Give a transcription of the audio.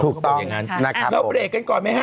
เอ้าก่อนเรากันพลลีกันก่อนไหมฮะ